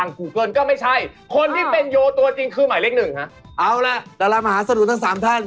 นี่จะใช่แต่เบอร์๑ดูมันสมาธิสั้น